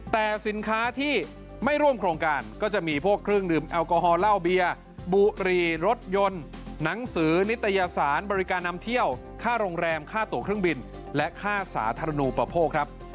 แต่สินค้าที่ไม่ร่วมโครงการก็จะมีพวกเครื่องดื่มแอลกอฮอลเหล้าเบียร์บุรีรถยนต์หนังสือนิตยสารบริการนำเที่ยวค่าโรงแรมค่าตัวเครื่องบินและค่าสาธารณูปโภคครับ